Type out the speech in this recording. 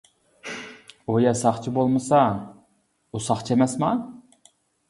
ئۇ يە ساقچى بولمىسا» «ئۇ ساقچى ئەمەسما؟ !